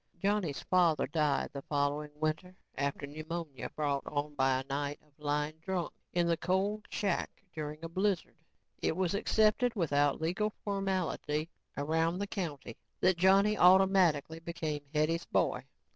Johnny's father died the following winter after pneumonia brought on by a night of lying drunk in the cold shack during a blizzard. It was accepted without legal formality around the county that Johnny automatically became Hetty's boy.